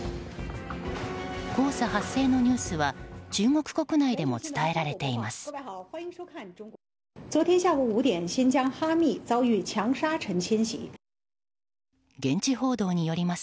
黄砂発生のニュースは中国国内でも伝えられています。